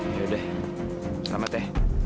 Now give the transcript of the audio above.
ya udah selamat ya